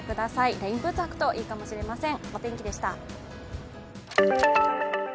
レインブーツ履くといいかもしれません。